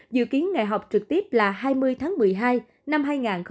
dự kiến ngày học trực tiếp là hai mươi tháng một mươi hai năm hai nghìn hai mươi